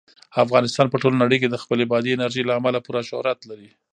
افغانستان په ټوله نړۍ کې د خپلې بادي انرژي له امله پوره شهرت لري.